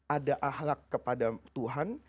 ada ahlak kepada tuhan